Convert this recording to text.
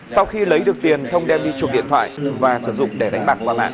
sau khi lấy được tiền thông đem đi chuộc điện thoại và sử dụng để đánh bạc qua mạng